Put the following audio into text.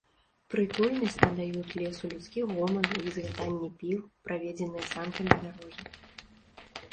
Прытульнасць надаюць лесу людскі гоман, візгатанне піл, праведзеныя санкамі дарогі.